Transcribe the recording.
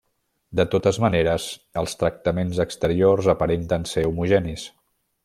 De totes maneres els tractaments exteriors aparenten ser homogenis.